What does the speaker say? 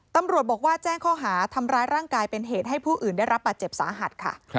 ตำรวจบอกว่าแจ้งข้อหาทำร้ายร่างกายเป็นเหตุให้ผู้อื่นได้รับบาดเจ็บสาหัสค่ะ